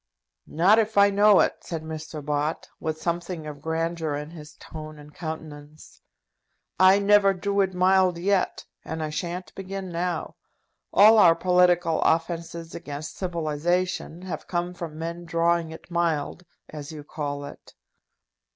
"Not if I know it," said Mr. Bott, with something of grandeur in his tone and countenance. "I never drew it mild yet, and I shan't begin now. All our political offences against civilization have come from men drawing it mild, as you call it.